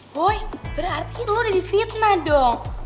boy berarti lo udah di fitnah dong